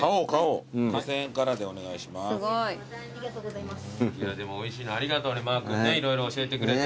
いやでもおいしいのありがとうマー君色々教えてくれて。